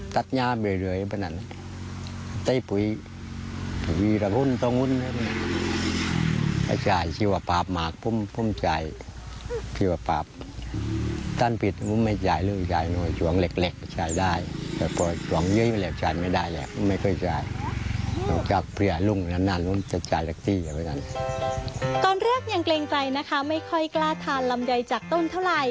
ตอนแรกยังเกรงใจนะคะไม่ค่อยกล้าทานลำไยจากต้นเท่าไหร่